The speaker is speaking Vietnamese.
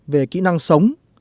về kỹ năng sống